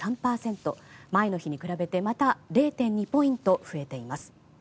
前の日に比べてまた０．２ポイント増えています。